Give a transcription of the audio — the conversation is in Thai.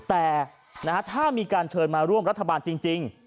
แต่ถ้ามีการเชิญมาร่วมรัฐบาลจริง